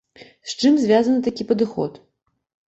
З чым звязаны такі падыход?